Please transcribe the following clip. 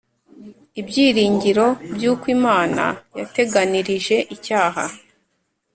Ibyiringiro by'uko Imana yateganirije icyaha